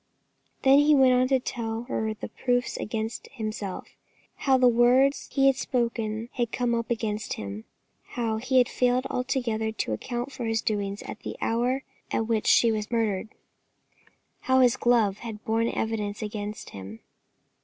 Then he went on to tell her the proofs against himself; how that the words he had spoken had come up against him; how he had failed altogether to account for his doings at the hour at which she was murdered; how his glove had borne evidence against him.